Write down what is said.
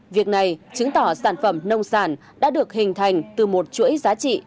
việc này chứng tỏ sản phẩm nông sản đã được hình thành từ một chuỗi giá trị